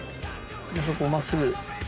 でそこを真っすぐ。